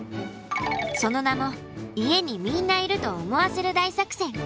その名も家にみんないると思わせる大作戦。